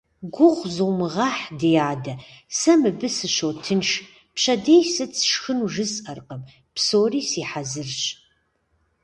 Гугъу зумыгъэхь, ди адэ, сэ мыбы сыщотынш, пщэдей сыт сшхыну жысӀэркъым, псори си хьэзырщ.